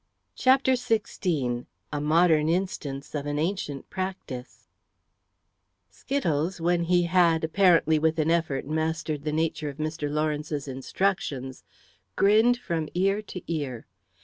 '" CHAPTER XVI A MODERN INSTANCE OF AN ANCIENT PRACTICE Skittles, when he had, apparently with an effort, mastered the nature of Mr. Lawrence's instructions, grinned from ear to ear.